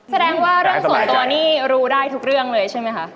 แสดงว่าเรื่องส่วนตัวนี่รู้ได้ทุกเรื่องเลยใช่ไหมคะ